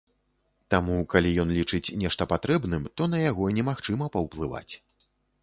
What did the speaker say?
Таму калі ён лічыць нешта патрэбным, то на яго немагчыма паўплываць.